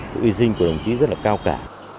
sự hy sinh của đồng chí rất là cao cả